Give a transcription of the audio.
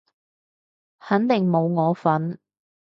肯定冇我份